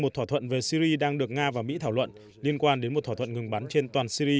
một thỏa thuận về syri đang được nga và mỹ thảo luận liên quan đến một thỏa thuận ngừng bắn trên toàn syri